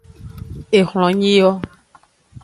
Ehlonyi yo.